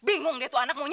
huh bingung dia tuh anaknya